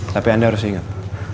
tapi anda harus inget